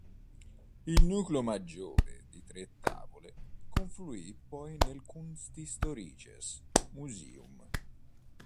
Il nucleo maggiore, di tre tavole, confluì poi nel Kunsthistorisches Museum.